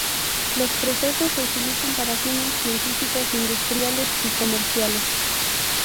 Los procesos se utilizan para fines científicos, industriales y comerciales.